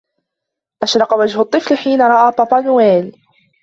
أشرق وجه الطفل حين رأى بابا نويل.